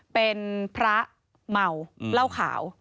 เป็นพระเหมาเล่าข่าว